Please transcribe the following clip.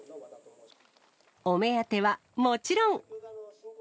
お目当てはもちろん。